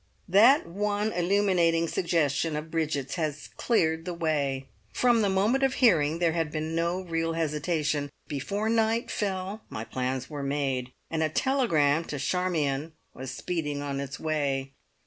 That one illuminating suggestion of Bridget's has cleared the way. From the moment of hearing there had been no real hesitation; before night fell my plans were made, and a telegram to Charmion was speeding on its way.